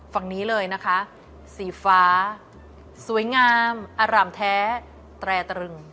ฝั่งนี้เลยนะคะสีฟ้าสวยงามอร่ำแท้แตรตรึง